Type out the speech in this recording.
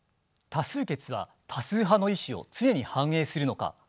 多数決は多数派の意思を常に反映するのか。